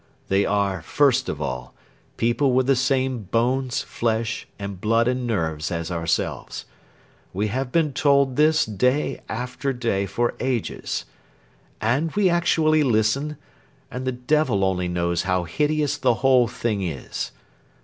They are, first of all, people with the same bones, flesh, and blood and nerves as ourselves. We have been told this day after day for ages. And we actually listen and the devil only knows how hideous the whole thing is.